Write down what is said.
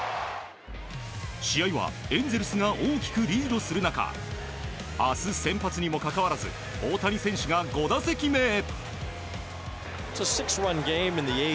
試合はエンゼルスが大きくリードする中明日、先発にもかかわらず大谷選手が５打席目へ。